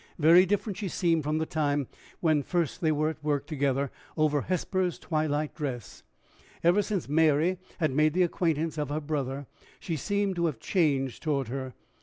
Very different she seemed from the time when first they were at work together over Hesper's twilight dress! Ever since Mary had made the acquaintance of her brother, she seemed to have changed toward her.